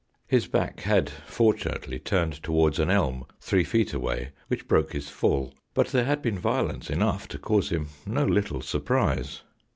His back had fortunately turned towards an elm three feet away which broke his fall, but there had been violence enough to cause him no little surprise.